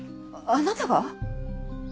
あなたが？